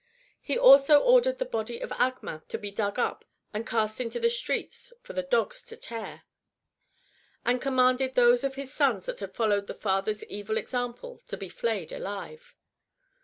He also ordered the body of Achmath to be dug up and cast into the streets for the dogs to tear ; and commanded those of his sons that had followed the father's evil example to be flayed alive.